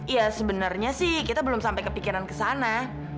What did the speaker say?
iya sebenarnya sih kita belum sampai kepikiran ke sana